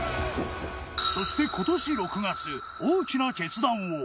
そして今年６月大きな決断を。